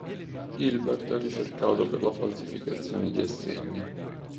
Gilbert è ricercato per la falsificazione di assegni.